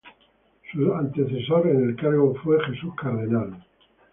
Su antecesor en el cargo fue Jesús Cardenal.